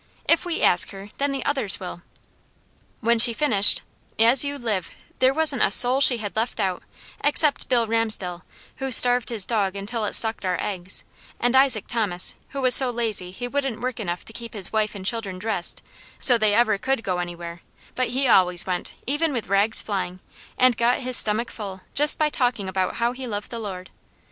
If we ask her, then the others will." When she finished as you live there wasn't a soul she had left out except Bill Ramsdell, who starved his dog until it sucked our eggs, and Isaac Thomas, who was so lazy he wouldn't work enough to keep his wife and children dressed so they ever could go anywhere, but he always went, even with rags flying, and got his stomach full just by talking about how he loved the Lord.